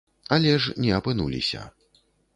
Але ж не апынуліся!